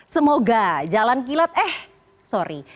semoga jalan kilat eh sorry